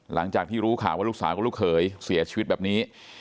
หลังจากที่รู้ข่าวว่าลูกสาวกับลูกเขยเสียชีวิตแบบนี้